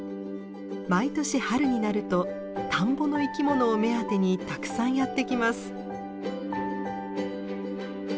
毎年春になると田んぼの生き物を目当てにたくさんやって来ます。